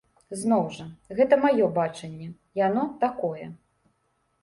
Зноў жа, гэта маё бачанне, яно такое.